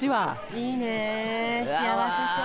いいね幸せそう。